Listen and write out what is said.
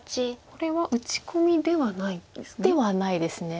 これは打ち込みではないんですね。